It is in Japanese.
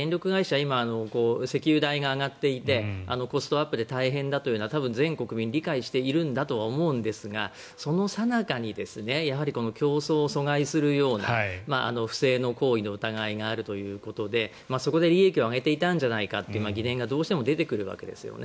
今、石油代が上がっていてコストアップで大変だというのは全国民理解しているんだとは思いますがそのさなかにこの競争を阻害するような不正の行為の疑いがあるということでそこで利益を上げていたんじゃないかという疑念がどうしても出てくるわけですね。